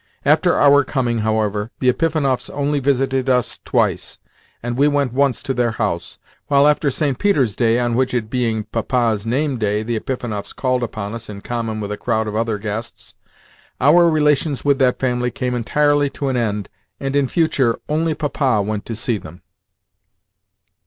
After our coming, however, the Epifanovs only visited us twice, and we went once to their house, while after St. Peter's Day (on which, it being Papa's nameday, the Epifanovs called upon us in common with a crowd of other guests) our relations with that family came entirely to an end, and, in future, only Papa went to see them.